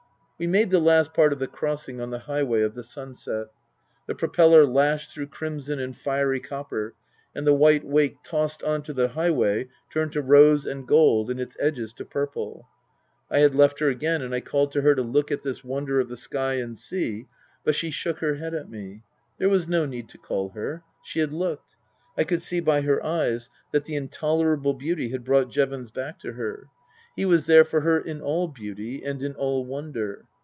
We made the last part of the crossing on the highway of the sunset. The propeller lashed through crimson and fiery copper, and the white wake tossed on to the highway turned to rose and gold and its edges to purple. I had left her again and I called to her to look at this wonder of the sky and sea ; but she shook her head at me. There was no need to call her. She had looked. I could see by her eyes that the intolerable beauty had brought Jevons back to her. He was there for her in all beauty and in all wonder.